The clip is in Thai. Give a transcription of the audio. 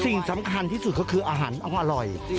สิ่งสำคัญที่สุดก็คืออาหารต้องอร่อย